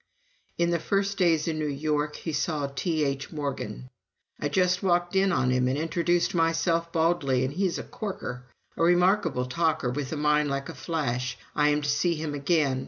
In the first days in New York he saw T.H. Morgan. "I just walked in on him and introduced myself baldly, and he is a corker. A remarkable talker, with a mind like a flash. I am to see him again.